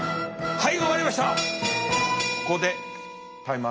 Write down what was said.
はい。